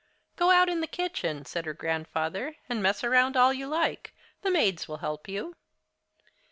"Go out in the kitchen," said her grandfather, "and mess around all you like. The maids will help you."